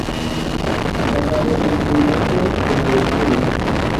kagabo yifuza ko byari ukuri